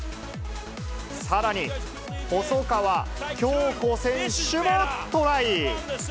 さらに、細川恭子選手もトライ。